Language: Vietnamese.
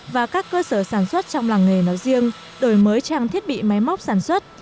và các cơ sở sản xuất trong làng nghề nói riêng đổi mới trang thiết bị máy móc sản xuất